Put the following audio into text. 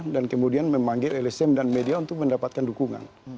dan kemudian memanggil lsm dan media untuk mendapatkan dukungan